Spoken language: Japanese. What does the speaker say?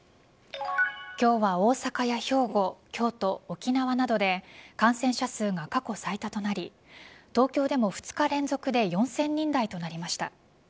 今日は大阪や兵庫、京都、沖縄などで感染者数が過去最多となり東京でも２日連続で４０００人台となりました。